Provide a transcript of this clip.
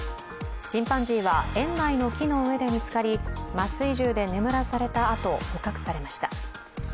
チンパンジーは園内の木の上で見つかり麻酔銃で眠らされたあと、捕獲されました。